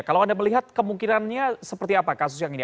kalau anda melihat kemungkinannya seperti apa kasus yang ini